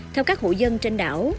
theo các hộ dân trên đảo